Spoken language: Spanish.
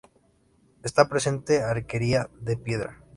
Este presenta arquería de piedra.